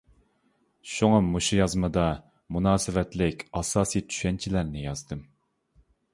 شۇڭا مۇشۇ يازمىدا مۇناسىۋەتلىك ئاساسى چۈشەنچىلەرنى يازدىم.